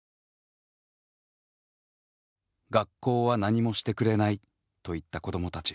学校は何もしてくれないと言った子どもたち。